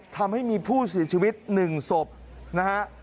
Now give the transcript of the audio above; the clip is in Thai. ทำให้มีผู้สิทธิ์ชีวิตหนึ่งศพนะฮะ